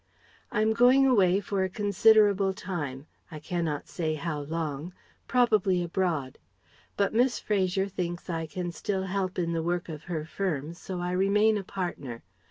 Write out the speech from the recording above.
I am going away for a considerable time, I cannot say how long probably abroad. But Miss Fraser thinks I can still help in the work of her firm, so I remain a partner.